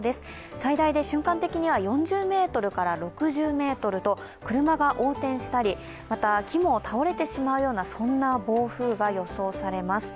最大で瞬間的には４０６０メートルと車が横転したり、木も倒れてしまうようなそんな暴風が予想されます。